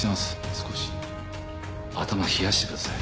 少し頭冷やしてください。